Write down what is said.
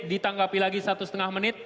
ditanggapi lagi satu setengah menit